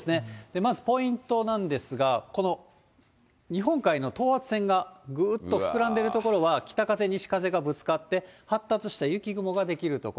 まずポイントなんですが、日本海の等圧線がぐーっと膨らんでいる所は、北風、西風がぶつかって、発達した雪雲が出来る所。